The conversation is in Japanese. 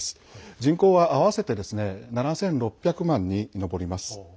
人口は合わせて７６００万に上ります。